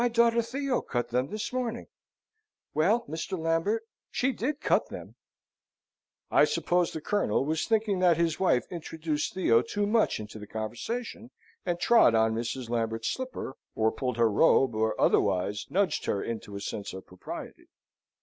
"My daughter Theo cut them this morning. Well, Mr. Lambert? She did cut them!" I suppose the Colonel was thinking that his wife introduced Theo too much into the conversation, and trod on Mrs. Lambert's slipper, or pulled her robe, or otherwise nudged her into a sense of propriety.